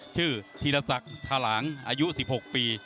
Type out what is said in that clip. ชื่อธีรศักดิ์ทารางอายุ๑๖ปี